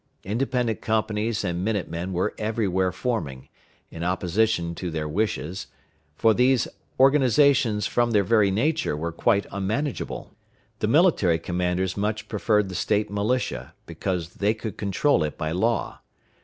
Independent companies and minute men were everywhere forming, in opposition to their wishes; for these organizations, from their very nature, were quite unmanageable. The military commanders much preferred the State militia, because they could control it by law.